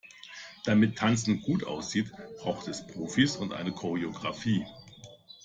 Damit Tanzen gut aussieht, braucht es Profis und eine Choreografie.